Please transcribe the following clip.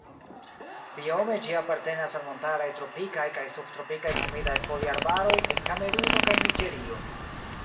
Biome ĝi apartenas al montaraj tropikaj kaj subtropikaj humidaj foliarbaroj en Kameruno kaj Niĝerio.